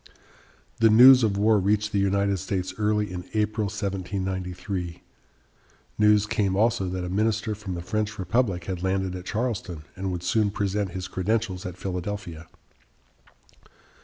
The news of war reached the United States early in April, 1793. News came also that a minister from the French Republic had landed at Charleston and would soon present his credentials at Philadelphia.